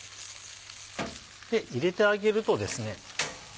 入れてあげるとですね